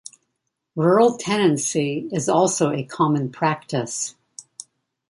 Rural tenancy is also a common practice.